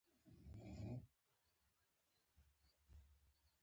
ایا ډاکټر یوازې وسیله ده؟